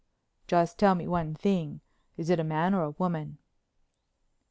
"Just tell me one thing—is it a man or a woman?"